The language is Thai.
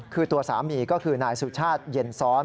คือตัวสามีก็คือนายสุชาติเย็นซ้อน